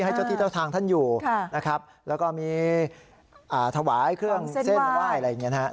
ให้เจ้าที่เจ้าทางท่านอยู่แล้วก็มีถวายเครื่องเส้นไหว้อะไรอย่างนี้